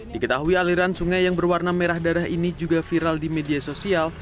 diketahui aliran sungai yang berwarna merah darah ini juga viral di media sosial